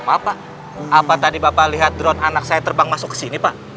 apa apa tadi bapak lihat drone anak saya terbang masuk ke sini pak